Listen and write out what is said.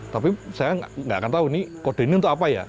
tapi saya nggak akan tahu ini kode ini untuk apa ya